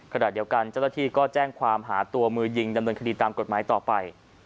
ขณะเดียวกันเจ้าหน้าที่ก็แจ้งความหาตัวมือยิงดำเนินคดีตามกฎหมายต่อไป